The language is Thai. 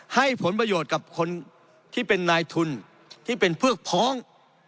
ให้ผลประโยชน์กับคนที่เป็นนายทุนที่เป็นพวกพ้อง